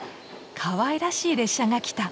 かわいらしい列車が来た。